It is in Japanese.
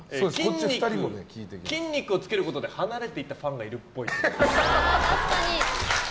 筋肉をつけることで離れていったファンがいるっぽい。